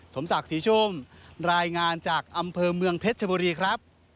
สมศักดิ์ศรีชุ่มรายงานจากอำเภอเมืองเพชรชบุรีครับ